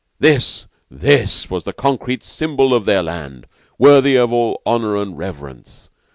This this was the concrete symbol of their land worthy of all honor and reverence!